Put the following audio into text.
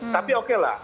tapi oke lah